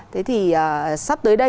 thế thì sắp tới đây